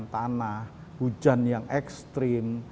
tanah hujan yang ekstrim